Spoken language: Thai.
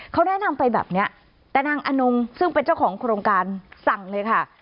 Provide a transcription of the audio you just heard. เขาแนะนำไปแบบนี้แต่นางอนงซึ่งเป็นเจ้าของโครงการสั่งเลยค่ะ